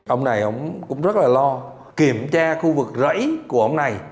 ông này ông cũng rất là lo kiểm tra khu vực rẫy của ông này